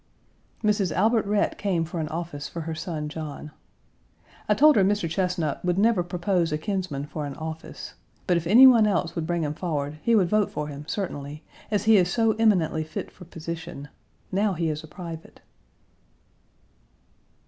Mrs. Albert Rhett came for an office for her son John. I told her Mr. Chesnut would never propose a kinsman for office, but if any one else would bring him forward he would vote for him certainly, as he is so eminently fit for position. Now he is a private.